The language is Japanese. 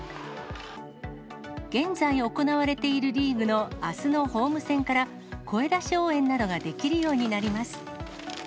現在行われているリーグのあすのホーム戦から、声出し応援などができるようになります。